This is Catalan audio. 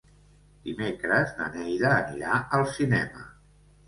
Dimecres na Neida anirà al cinema.